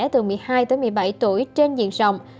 từ một mươi hai một mươi bảy tuổi trên diện rộng